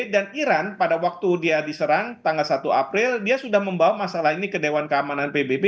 dan iran pada waktu dia diserang tanggal satu april dia sudah membawa masalah ini ke dewan keamanan pbb